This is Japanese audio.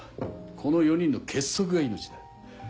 この４人の結束が命だ。